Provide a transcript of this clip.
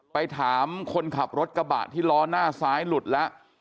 ไปถามคนขับรถกระบะที่ล้อหน้าซ้ายหลุดแล้ว